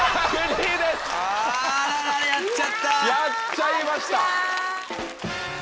やっちゃいました。